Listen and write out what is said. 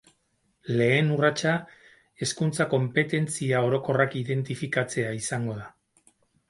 Lehen urratsa Hezkuntza konpetentzia orokorrak identifikatzea izango da.